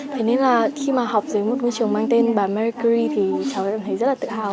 thế nên là khi mà học dưới một ngôi trường mang tên bà mercury thì cháu cảm thấy rất là tự hào